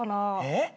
えっ？